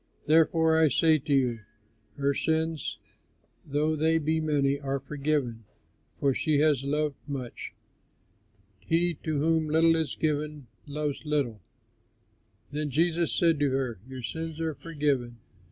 Therefore, I say to you, her sins, though they be many, are forgiven, for she has loved much. He to whom little is forgiven, loves little." Then Jesus said to her, "Your sins are forgiven."